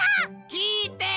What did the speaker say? きいて！